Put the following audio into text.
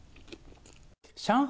上海